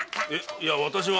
いや私は。